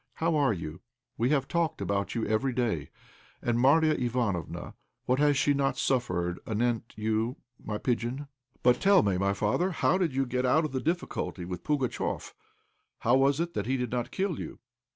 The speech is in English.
How are you? We have talked about you every day. And Marya Ivánofna, what has she not suffered anent you, my pigeon? But tell me, my father, how did you get out of the difficulty with Pugatchéf? How was it that he did not kill you?